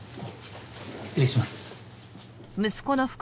失礼します。